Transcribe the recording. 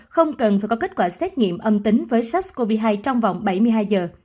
không cần phải có kết quả xét nghiệm âm tính với sars cov hai trong vòng bảy mươi hai giờ